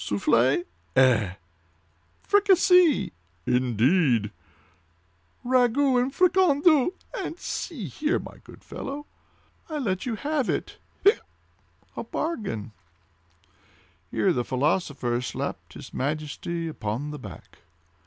"Soufflee." "Eh!" "Fricassee." "Indeed!" "Ragout and fricandeau—and see here, my good fellow! I'll let you have it—hiccup!—a bargain." Here the philosopher slapped his Majesty upon the back.